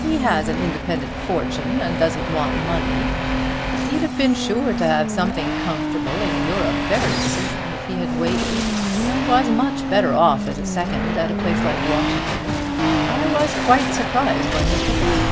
"He has an independent fortune and doesn't want the money. He'd have been sure to have something comfortable in Europe very soon if he had waited, and was much better off as second at a place like Washington. I was quite surprised when he took it."